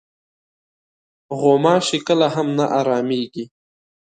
غوماشې کله هم نه ارامېږي.